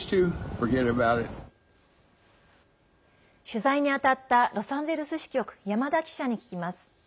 取材に当たったロサンゼルス支局山田記者に聞きます。